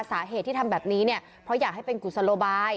สาเหตุที่ทำแบบนี้เนี่ยเพราะอยากให้เป็นกุศโลบาย